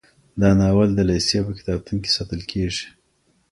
دا ناول د لېسې په کتابتون کي ساتل کیږي.